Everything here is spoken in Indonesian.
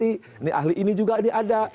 ini ahli ini juga ini ada